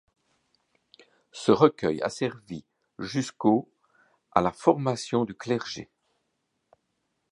Ce recueil a servi jusqu'au à la formation du clergé.